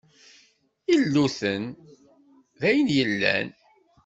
Illuten d ayen yellan.